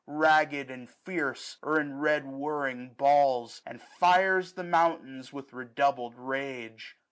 Ragged and fierce, or in red whirling balls ; And fires the mountains with redoubled rage.